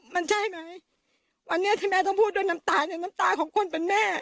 มันใช่ไหมวันนี้ที่แม่ต้องพูดด้วยน้ำตาเนี่ยน้ำตาของคนเป็นแม่